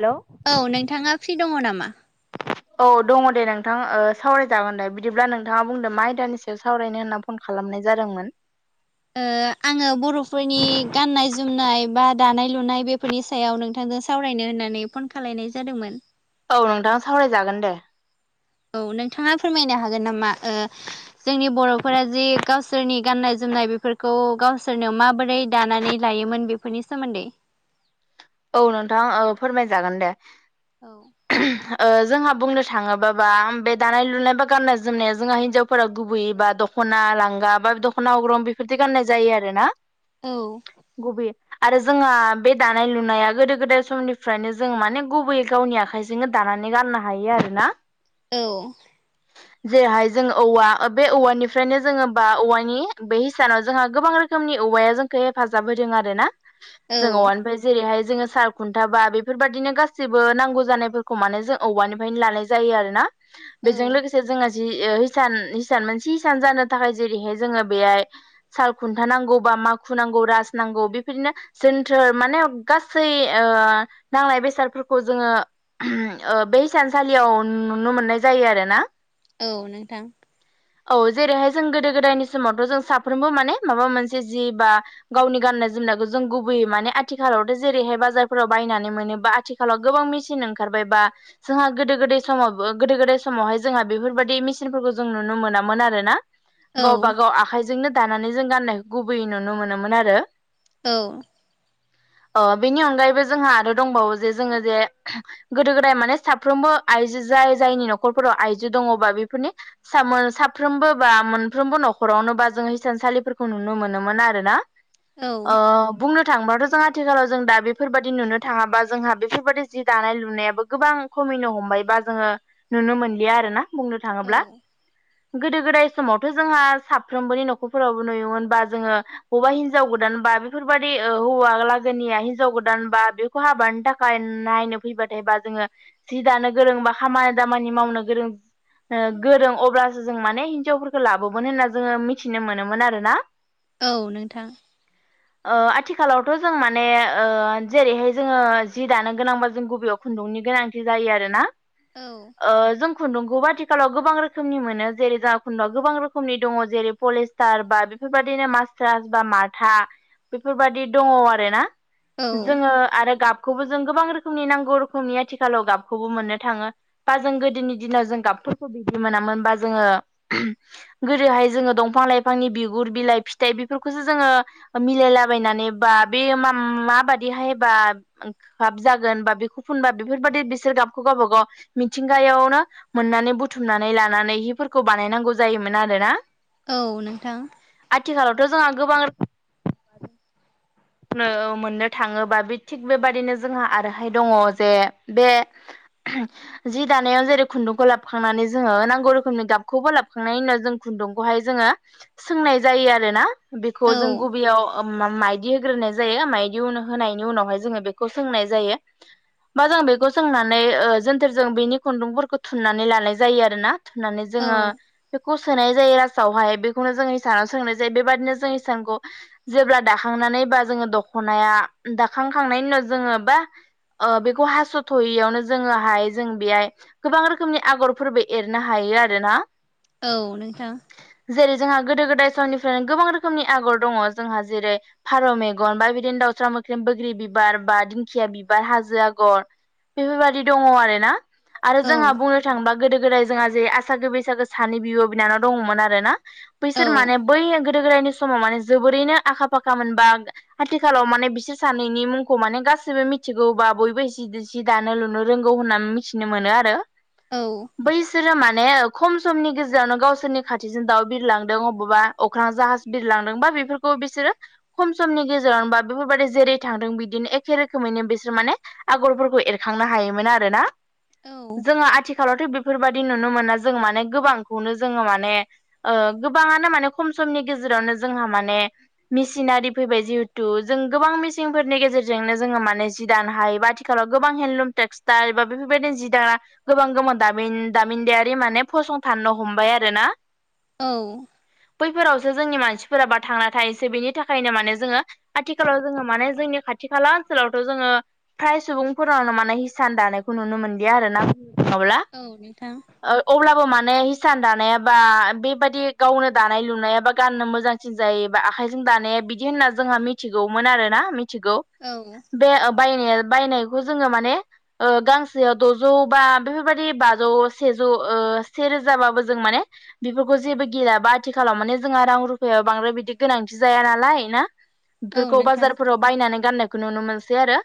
Hello औ नोंथाङा free दङ नामा? औ दङ दे नोंथां ओ सावरायजागोन दे बिदिब्ला नोंथाङा बुंदों मा आयदानि सायाव सावरायनो होनना फन खालामनाय जादोंमोन। ओ आङो बर'फोरनि गाननाय जोमनाय बा दानाय लुनाय बेफोरनि सायाव नोंथांजों सावरायनो होननानै फन खालामलायनाय जादोंमोन। औ नोंथां सावरायजागोन दे औ नोंथाङा फोरमायनो हागोन नामा? ओ जोंनि बर'फोरा जि गावसोरनि गाननाय जोमनाय बेफोरखौ गावसोरनो माबोरै दानानै लायोमोन बेफोरनि सोमोन्दै औ नोंथां ओ फोरमायजागोन दे औ जोंहा बुंनो थाङोबाबा बे दानाय लुनाय बा गाननाय जोमनाया जोंहा हिनजाव फोर गुबै बा दख'ना लांगा बा दख'ना अग्रं बेफोरदि गाननाय जायो आरो ना औ। गुबै आरो जोंङहा बे दानाय लु नाया गोदो गोदाय समनिफ्रायनो जों माने गुबैयै गावनि आखाइजोंनो दानानै गाननो हायो आरोना। [inaudible] [inaudible] जेरैहाय जोंङ औवा बे औवानिफ्रायनो जोङो बा औवानि बे हिसानाव जोंहा गोबां रो खोमनि औवाया जोंखौ हेफाजाब होदों आरो ना औ जों औवानिफ्राय जेरैहाय जोङो साल खुन्थाबा बेफोरबायदिनो गासैबो नांगौ जानायफोरखौ माने जों औवानिफ्रायनो लानाय जायो आरोना। बेजों लोगोसे औ जोंहा जि हिसान मोनसे हिसान जानो थाखाय जेरैहाय जोङो बेहाय साल खुन्था नांगौ बा माखु नांगौ राज नांगौ बेफोरदिनो जोनथोर माने गासै ओ नांनाय बेसादफोरखौ जोङो बे सानसालियाव नुनो मोननाय जायो आरो ना। औ नोंथां। औ जेरैहाय जों गोदो गोदायनि समावथ' जों साफ्रोमबो माने माबा मोनसे जि बा गावनि गाननाय जोमनायखौ जों गुबैयै माने आथि खालावथ' जेरैहाय बाजारफोराव बायनानै मोनोबा आथिखालाव गोबां मेसिन ओंखारबाय बा जोंहा गोदो गोदाय समाव गोदो गोदाय समावहाय जोंहा बेफोरबायाददि मेचिनफोरखौ जों नुनो मोनामोन आरो ना औ गावबा गाव आखाइजोंनो दानानै जों गाननायखौ गुबैयै नुनो मोनोमोन आरो औ अ बेनि अनगायैबो जोंहा आरो दंबावो जे जोङो जे गोदो गोदाय माने साफ्रोमबो आइजो जाय जायनि न'खरफोराव आइजो दङबा बेफोरनि सामोर-साफ्रोमबो बा मोनफ्रोमबो न'खरावनो बा जों हसानसालिफोरखौ नुनो मोनोमोन आरोना औ ओ बुंनो थांबाथ' जों आथिखालाव जों दा बेफोरबायदि नुनो थाङाबा जोंहा बेफोरबायदि जि दानाय लुनायाबो गोबां खमिनो हमबायबा जोङो नुनो मोनलिया आरोना बुंनो औ थाङोब्ला। गोदो गोदाय समावथ' जोंहा साफ्रोमबोनि न'खरफोरावबो नुयोमोन बा जोङो हौवा हिनजाव गोदान बा बेफोरबदि ओ हौवा लागोनिया हिनजाव गोदान बा बेखौ हाबानि थाखाय नायनो फैबाथायबा जोङो जि दानो गोरों बा खामानि दामानि मावनो गोरों ओ गोरों अब्लासो जों माने हिनजावफोरखौ लाबोन होनना जोङो मिथिनो मोनोमोन आरोना । औ नोंथां ओ आथिखालाव थ' जों माने ओ जेरैहाय जोङो जि दानो गोनांबा जों गुबबेयाव खुन्दुंनि गोनांथि थि जायो आरो ना औ ओ जों खुन्दुंखौबो आथिखालाव गोबां रोखोमनि मोनो जेरै जोंहा खुन्दुआ गोबां रोखोमनि दङ' जेरै पलेज थार बा बेफोरबायदिनो मास्टारस बा माथा बेफोरबायदि दङ' आरोना औ जोङो आरो गाब खौबो जों गोबां रोखोमनि नांगौ रोखोमनि आथिखालाव गाबखौबो मोननो थाङो बा जों गोदोनि दिनाव जों गाबफोरखौ बिदि मोनामोन बा जोङो गोदोहाय जोङो दंफां लाइफांनि बिगुर बिलाइ फिथाइ बेफोरखौसो जोङो मिलायलाबायनानै बा बे माम-माबादिहायबा खाब जागोन बा बेखौ फुनबा बेफोरबायदि बिसोर गाबखौ गावबागाव मिथिंगायावनो मोननानै बुथुमनानै लानानै हिफोरखौ बानायनांगौ जायोमोन आरोना। औ नोंथां आथिखालावथ' जोंहा गोबां नो मोननो थाङोबा बे थिग बेबादिनो जोंहा आरोहाय दङ' जे बे [inaudible] जि दानायाव जेरै खुन्दुंखौ लाबोखांनानै जोङो नांगौ रोखोमनि गाबखौबो लाबखांनायनि उनाव जों खुन्दुंखौहाय जोङो सोंनाय जायो आरोना बेखौ औ जों गुबैयाव म-माइ दि होग्रोनाय जायो मायदि उन होनायनि उनावहाय जोङो बेखौ सोंनाय जायो बा जों बेखौ सोंनानै ओ जोनथोरजों बेनि खुन्दुंफोरखौ थुननानै लानाय जायो आरोना थुननानै जोङो औ बेखौ सोनाय जायो राजावहाय बेखौनो जों हिसानाव सोंनाय जायो बेबादिनो जोंनि सानखौ जेब्ला दाख खांनानै बा जोङो दख'नाया दाखांखांनायनि उनाव जोङो बा ओ बेखौ हास'थ'यैयावनो जोङोहाय जों बेहाय गोबां रोखोमनि आगरफोरबो एरनो हायो आरोना औ नोंथां जेरै जोंहा गोदो गोदाय समनिफ्रायनो गोबां रोखोमनि आगर दङ' जोंहा जेरै फारौ मेगन बा बिदिनो दाउस्रा मोख्रेम, बोग्रि बिबार, बा दिंखिया बिबार, हाजो आगर बेफोरबायदि दङ' आरोना आरो जोंहा औ बुंनो थांबा गोदो गोदाय जोंहा जे आसागो बैसागो सानि बिब' बिनानाव दङ'मोन आरोना बैसोर औ माने बै गोदो गोदायनि समाव माने जोबोरैनो आखा फाखामोन बा आथिखालाव माने बिसोर सानैनि मुंखौ माने गासैबो मिथिगौबा बयबो एसे जि दानो लुनो रोंगौ होननानै मिथिनो मोनो आरो औ बैसोरो माने खम समनि गेजेरावनो गावसोरनि खाथिजों दाउ बिरलांदों अबावबा अख्रां जाहाज बिरलांदोंबा बेफोरखौ बिसोरो खम समनि गेजेरावनो बा बेफोरबायदि जेरै थांदों बिदिनो एखे रोखोमैनो बिसोर माने आगरफोरखौ एरखांनो हायोमोन आरोना। औ जों आथि खालावथ' बेफोरबायदि नुनो मोना जों माने गोबांखौनो जोङो माने ओ गोबाङानो माने खम समनि गेजेरावनो जोंहा माने मिेसिनारि फैबाय जिहेथु जों गोबां मेसिनफोरनि गेजेरजोंनो जोङो माने जि दानो हायो बा खालाव गोबां हेन्दलुम टेक्सटाइल बा बेफोरबायदि जि दाग्रा गोबां गोबां दामिन दामिनदायारि माने फसंथाननो हमबाय आरो ना औ बैफोरावसो जोंनि मानसिफोराबा थांना थायो बेनि थाखायनो माने जोङो आथिखालाव जोङो माने जोंनि खाथि खाला ओनसोलावथ' जोङो फ्राय सुबुंफोरावनो माने हिसान दानायखौ नुनो मोनदिया आरोना बावला औ नोंथां अब्लाबो माने हिसान दानायाबा बेबायदि गावनो दानाय लुनायाबा गाननो मोजां सोन जायो बा आखाइजों दानाया बिदि होनना जोंहा मिथिगौमोन आरोना मिथिगौ औ बे बायनाय बायनायखौ जोङो माने गांसेयाव द'जौ बा बेफोरबायदि बाजौ सेजौ सेरोजाबाबो जों माने बेफोरखौ जेबो गेलयाबा आथिखालाव माने जोंहा रां रुफायाव बांद्राय बिदि गोनांथि जाया नालाय ना औ बेफोरखौ नोंथां बाजारफोराव बायनानै गाननायखौ नुनो मोनसै आरो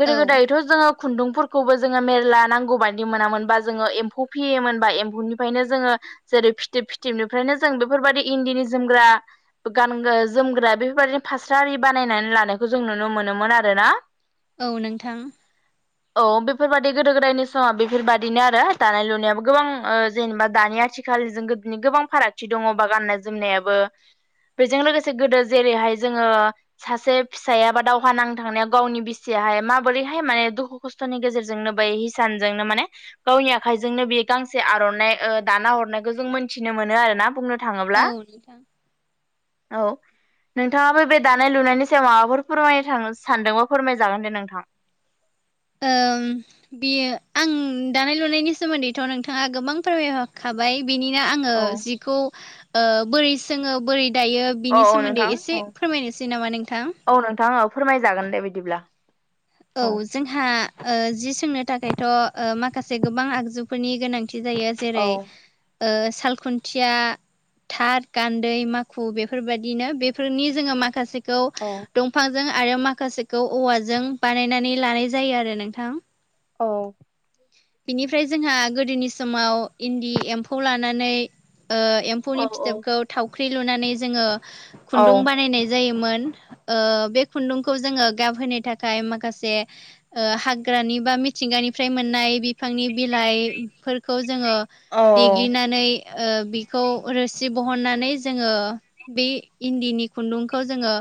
गोदो औ गोदायथ' जोङो खुन्दुंफोरखौबो जोङो मेरला नांगौ बायदि मोनामोनबा जोङो एम्फौ फिसियोमोनबा एम्फौनिफ्रायनो जोङो जेरै फिथिब फिथिबनिफ्रायनो जों बेफोरबायदि इन्दिनि जोमग्रा गान्रा जोमग्रा बेफोरबायदिनो फास्रा आरि बानायनानै लानायखौ जों नुनो मोनोमोन आरोना औ नोंथां औ बेफोरबायदि गोदो गोदायनि समाव बेफोरबायदिनो आरो दानाय लुनायाबो गोबां जेनेबा दानि आथिखाल आथि खालिजों गोबां फारागथि दङबा गाननाय जोमनायाबो बेजों लोगोसे गोदो जेरैहाय जोङो सासे फिसाया बा दावहा नांनो थांनाया गावनि बिसियाहाय माबोरैहाय माने दुखु खस्थ'नि गेजेरजोंनो ब हिसानजोंनो माने गावनि आखाइजोंनो बे गांसे आर'नाइ दाना हरनायखौ जों मोनथिनो मोनो आरोना बुंनो थाङोब्ला औ नोंथां औ नोंथाङाबो बे दानाय लुनायनि सायाव माबाफोर फोरमायनो सानदोंबा फोरमाय जागोन दे नोंथां बियो आं दानाय लुनायनि सोमोन्दैथ' नोंथाङा गोबां फोरमायो खाबाय बिनिनो आङो औ जिखौ बोरै सोङो बोरै दायो औ बिनि औ सोमोन्दै नोंथां एसे औ फोरमायनोसै नामा नोंथां औ नोंथाङ फोरमायजागोन दे बिदिब्ला औ जोंहा जि सोंनो थाखायथ' माखासे गोबां आगजुफोरनि गोनांथि जायो जेरै औ साल खुन्थिया थार गान्दै माखु बेफोरबायदिनो बेफोरनि जोङो माखासेखौ औ दंफांजों आरो माखासेखौ औवाजों बानायनानै लानाय जायो आरो नोंथां औ बिनिफ्राय जोंहा गोदोनि समाव इन्दि एम्फौ लानानै एम्फौनि औ फिथोबखौ थावख्रि लुनानै जोङो औ खुन्दुं बानायनाय जायोमोन बे खुन्दुंखौ जोङो गाब होनो थाखाय माखसे हाग्रानि बा मिथिंगानिफ्राय मोननाय बिफांनि बिलाइफोरखौ जोङो औ देग्लिनानै बिखौ रोसि बहननानै जोङो बे इन्दिनि खुन्दुंखौ जोङो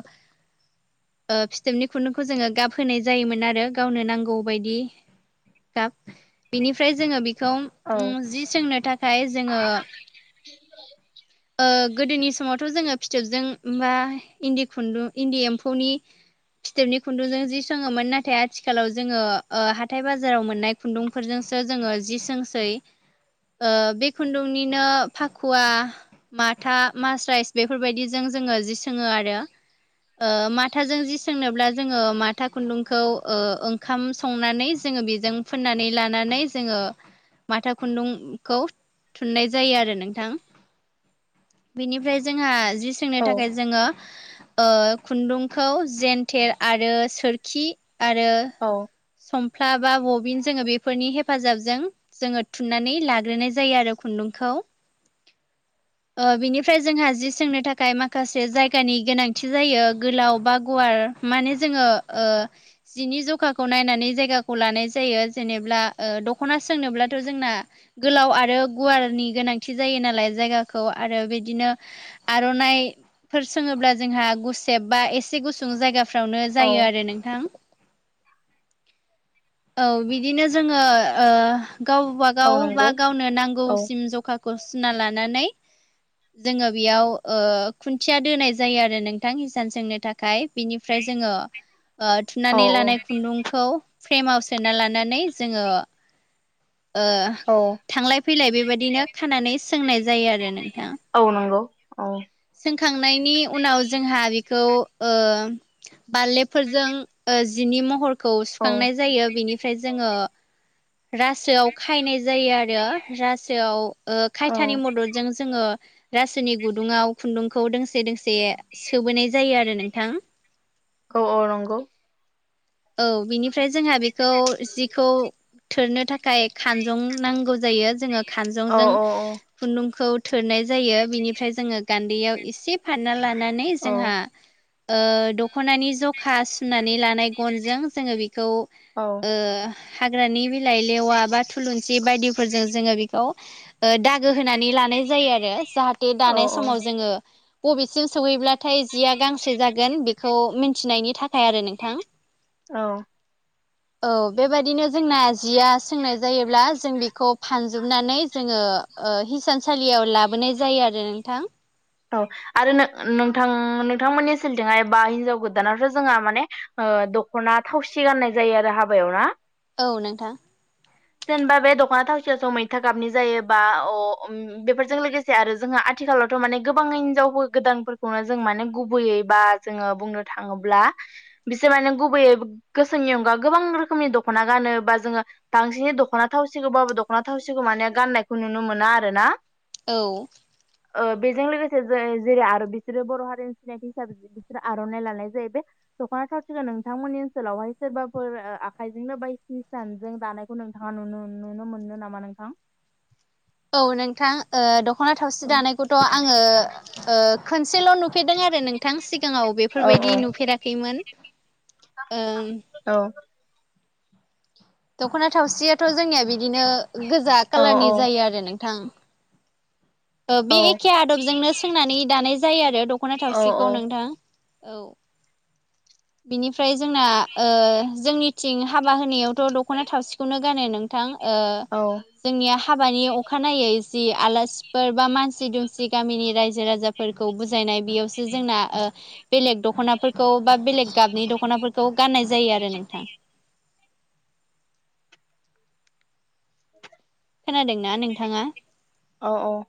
फिथोबनि खुन्दुंखौ जोङो गाब होनाय जायोमोन आरो गावनो नांगौ बायदि गाब बिनिफ्राय जोङो बेखौ जि सोंनो थाखाय जोङो गोदोनि समावथ' जोङो फिथोबजों बा इन्दि खुन्दुं इन्दि एम्फौनि फिथोबनि खुन्दुंजों जि सङोमोन नाथाय आथिखालाव जोङो हाथाय बाजाराव मोननाय खुन्दुंफोरजोंसो जोङो जि सोंसै ओ बे खुन्दुंनिनो फाखुवा माथा मासराइस बेफोरबायदिजों जोङो जि सोङो आरो ओ माथाजों जि सोंनोब्ला जोङो माथा खुन्दुंखौ ओ ओंखाम संनानै जोङो बेजों फोननानै लानानै जोङो माथा खुन्दुंखौ थुननाय जायो आरो नोंथां बेनिफ्राय जोंहा जि सोंनो थाखाय जोङो ओ खुन्दुंखौ जेेनथेर आरो सोरखि आरो औ सफ्ला बा बबिन जोङो बेफोरनि हेफाजाबजों जोङो थुनानै लाग्रोनाय जायो आरो खुन्दुंखौ ओ बिनिफ्राय जोंहा जि सोंनो थाखाय माखासे जायगानि गोनांथि जायो गोलाव बा गुवार माने जोङो ओ जिनि जखाखौ नायनानै जायगाखौ लानाय जायो जेनेब्ला ओ दख'ना सोंनोब्लाथ' जोंना गोलाव आरो गुवारनि गोनांथि जायो नालाय जायगाखौ आरो बिदिनो आर'नाइफोर सोङोब्ला जोंहा गुसेब बा एसे गुसुं जायगा फ्रावनो औ जायो आरो नोंथां औ बिदिनो जोङो ओ गावबा औ गावबा नंगौ गावनो औ नांगौसिम जखाखौ सुना लानानै जोङो बेयाव ओ खुन्थिया दोनाय जायो आरो नोंथां हिसान सोंनो थाख खाय बिनिफ्राय जोङो ओ औ थुनानै लानाय खुन्दुं खौ फ्रेमाव सोना लानानै जोङो ओ औ थांलाय फैलाय बेबायदिनो खानानै सोंनाय जायो आरो नोंथां औ नंगौ औ सोंखांनायनि उनाव जोंहा बेखौ ओ बारलेफोरजों ओ जिनि महरखौ औ सुखांनाय जायो बिनिफ्राय जोङो रासोआव खायनाय जायो आरो रासोआव ओ औ खायथानि मददजों जोङो रासोनि गुदुंङाव खुन्दुंखौ दोंसे दोंसे सोबोनाय जायो आरो नोंथां औ औ नंगौ औ बिनिफ्राय जोंहा बेखौ जिखौ थोरनो थाखाय खानजं नांगौ जायो जोङो औ खानजंजों औ खुन्दुंखौ थोरनाय जायो बिनिफ्राय जोङो गान्दैयाव इसे फानना लानानै औ जोंहा ओ दखनानि जखा सुनानै ला गनजों जोङो बेखौ ओ हाग्रानि बिलाइ लेवा बा थुलुंसि बायदिफोरजों जोङो बेखौ ओ दागो होनानै लानाय जायो आरो जाहाथे औ दानाय समाव जोङो बबेसिम सहैब्ला थाय जिया गांसे जागोन बेखौ मिथिनायनि थाखाय आरो नोंथां औ औ बेबायदिनो जोंना जिया सोंनाय जायोब्ला जों बेखौ फानजोबनानै जोङो ओ हिसानसालियाव लाबोनाय जायो आरो नोंथां औ आरो नो नोंथां नोंथांमोननि सिलथिंहाय बा हिनजाव गोदानावथ' जोंहा माने ओ दख'ना थावसि गाननाय जायो आरो हाबायाव ना औ नोंथां जेनबा बे दख'ना थावसियास मैथा गाबनि जायोबा अ अम उम बेफोरजों लोगोसे आरो जोंहा आथिखालावथ' माने गोबां हिनजावबो गोदानफोरखौनो जों माने गुबैयै बा जोङो बुंनो थाङोब्ला बिसो माने गुबैयै गोसोनि अनगा गोबां रोखोमनि दख'ना गानो बा जोङो बांसिनो दख'ना थावसिखौबाबो दख'ना थावसिखौ माने गाननायखौ नुनो मोना आरोना औ ओ बेजों लोगोसे जै जेरै आरो बिसोरो बर हारिनि सिनायथि हिसाबै बिसोर आर नाय लानाय जायो बे दखना थावसिखो नोंथांमोननि ओनसोलावहाय सोरबाफोर ओ आखाइजोंनो बा सि सानजों दानाय खौ नोंथाङा नुनो नुनो मोनो नामा नोंथां औ नोंथां ओ दखना थावसि औ दानायखौथ आङो ओ खनसेल नु फेरदों आरो नोंथां सिगाङाव औ बेफोरबायदि नुफेराखैमोन ओं । औ । दख ना थावसियाथ जोंनिया बिदिनो गोजा कालारनि औ जायो आरो नोंथां । ओ औ बे एखे आदबजोंनो सोंनानै दानाय जायो आरो दखना औ थावसिखौ नोंथां । औ बिनिफ्राय जोंना ओ जोंनिथिं हाबा होनायाव थ दखना थावसिखौनो गानो नोंथां ओ जोंनिया हाबानि अखानायै जि आलासिफोर बा मानसि दुमसि गामिनि रायजो राजा फोरखौ बुजायनाय बेयावसो जोंना ओ बेलेक दखनाफोर खौ बा बेलेग गाबनि दख नाफोरखौ गाननाय जायो आरो नोंथां । खोनादोंना नोंथाङा औ औ औ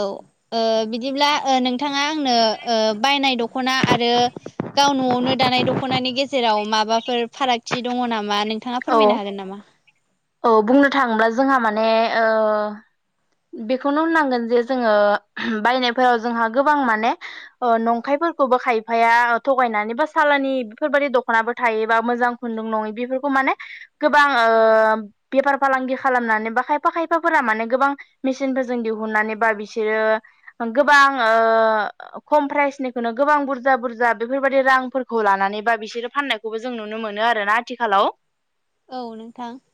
। ओ बिदिब्ला ओ नोंथाङा आंनो ओ बायनाय दख ना आरो । गाव न आवनो दानाय दख‌नानि गेजेराव माबाफोर फारागथि दङ नामा नों औ-औ बुंनो थाङोब्ला जोंहा माने ओ बेखौनो होननांगोन जे जोङो बायनायफोराव जोंहा गोबां माने अ नंखायफोरखौबो खायफाया थगायनानै बा सालानि बेफोरबायदि दख नाबो थायोबा मोजां खुन्दुं नङै बेफोरखौ माने गोबां ओ बेफार फालांगि खालामनानै बा खायफा खायफाफोरा माने गोबां मेसिनफोरजों दिहुननानै बा बिसोरो गोबां ओ खम प्राइसनिखौनो गोबां बुरजा-बुरजा बेफोरबायदि रांफोरखौ लानानै बा बिसोरो फाननाय खौबो जों नुनो मोनो आरोना आथिखालाव । औ नोंथां ।